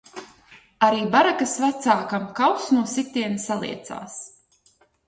Arī barakas vecākam kauss no sitiena saliecās.